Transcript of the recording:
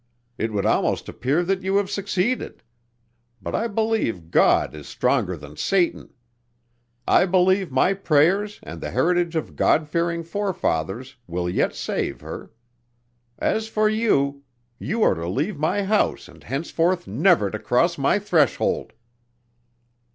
It would almost appear that you have succeeded. But I believe God is stronger than Satan. I believe my prayers and the heritage of Godfearing forefathers will yet save her. As for you, you are to leave my house and henceforth never to cross my threshold."